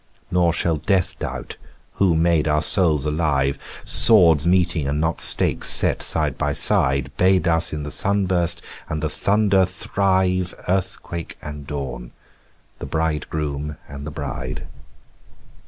Nor shall death doubt Who made our souls alive Swords meeting and not stakes set side by side, Bade us in the sunburst and the thunder thrive Earthquake and Dawn; the bridegroom and the bride.